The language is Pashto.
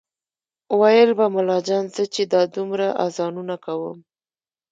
ویل به ملا جان زه چې دا دومره اذانونه کوم